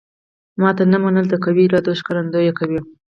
ماته نه منل د قوي ارادې ښکارندوی کوي